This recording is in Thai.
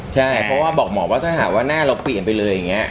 ใช่เพราะว่าบอกหมอว่าถ้าหากว่าหน้าเราเปลี่ยนไปเลยอย่างนี้